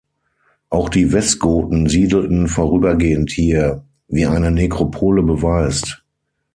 Auch die Westgoten siedelten vorübergehend hier, wie eine Nekropole beweist.